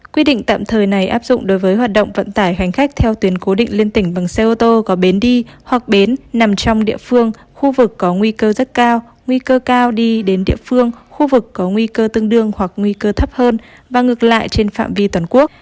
quy định tạm thời này áp dụng đối với hoạt động vận tải hành khách theo tuyến cố định liên tỉnh bằng xe ô tô có bến đi hoặc bến nằm trong địa phương khu vực có nguy cơ rất cao nguy cơ cao đi đến địa phương khu vực có nguy cơ tương đương hoặc nguy cơ thấp hơn và ngược lại trên phạm vi toàn quốc